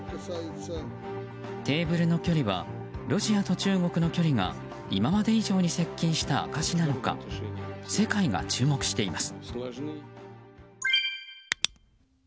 テーブルの距離はロシアと中国の距離が今まで以上に接近した証しなのか世界が注目しています。